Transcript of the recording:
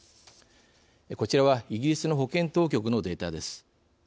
こちらはイギリスの保健当局のデータです。